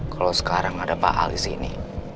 kalau sekarang ada pak al disini